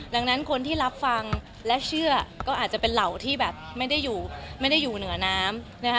ดังนั้นคนที่รับฟังและเชื่อก็อาจจะเป็นเหล่าที่แบบไม่ได้อยู่เหนือน้ำ